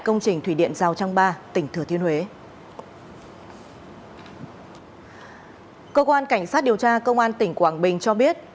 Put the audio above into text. cơ quan cảnh sát điều tra công an tỉnh quảng bình cho biết